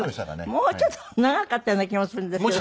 もうちょっと長かったような気もするんですけど。